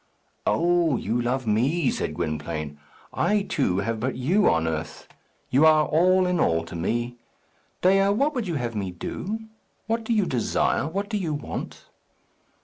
"Oh! you love me," said Gwynplaine. "I, too, have but you on earth. You are all in all to me. Dea, what would you have me do? What do you desire? What do you want?"